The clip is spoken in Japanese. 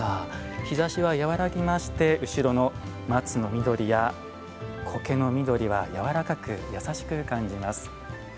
日ざしは和らぎまして後ろの松の緑や苔の緑は柔らかく、優しく感じます。